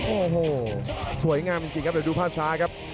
โอ้โหสวยงามจริงครับเดี๋ยวดูภาพช้าครับ